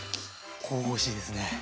神々しいですね！